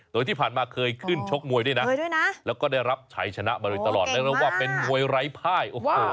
โดยที่ผ่านมาเคยขึ้นชกมวยด้วยนะแล้วก็ได้รับชัยชนะมาโดยตลอดเรียกได้ว่าเป็นมวยไร้ภายโอ้โห